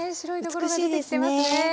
美しいですね。